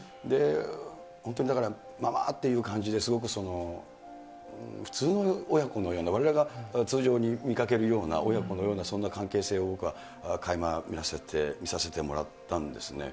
本当にだから、ママ！っていう感じで、すごく普通の親子のような、われわれが通常に見かけるような親子のようなそんな関係性を、僕はかいま見させてもらったんですね。